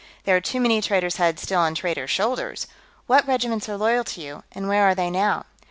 "There are too many traitors' heads still on traitors' shoulders.... What regiments are loyal to you, and where are they now?"